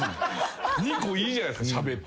２個いいじゃないですかしゃべって。